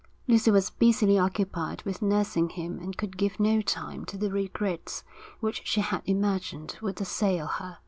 Lucy was busily occupied with nursing him and could give no time to the regrets which she had imagined would assail her.